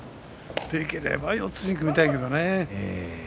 できれば四つに組みたいけどね。